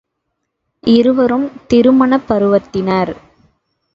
இருவரும் திருமணப் பருவத்தினர்.